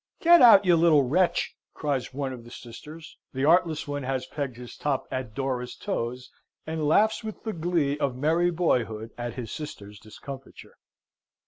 "Get out, you little wretch!" cries one of the sisters. The artless one has pegged his top at Dora's toes, and laughs with the glee of merry boyhood at his sister's discomfiture.